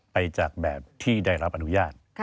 ไปจากแบบที่ได้รับอนุญาต